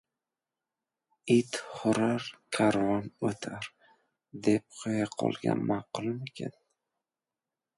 «It hurar, karvon o‘tar», deb qo‘ya qolgan ma’qulmikin...